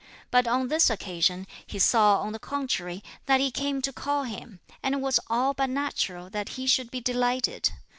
But on this occasion, he saw on the contrary that he came to call him, and it was but natural that he should be delighted.